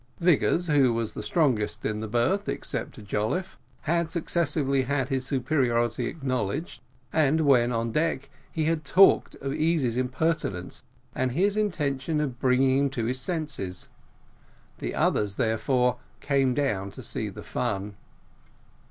Vigors, who was strongest in the berth, except Jolliffe, had successively had his superiority acknowledged, and, when on deck, he had talked of Easy's impertinence, and his intention of bringing him to his senses. The others, therefore, came down to see the fun.